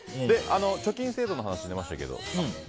貯金制度の話が出ましたけど。